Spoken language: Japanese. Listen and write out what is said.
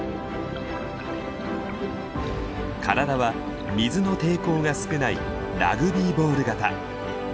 体は水の抵抗が少ないラグビーボール形。